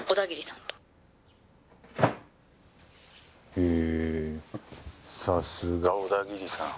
「さすが小田切さん」